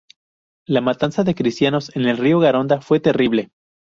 La matanza de cristianos en el río Garona fue terrible.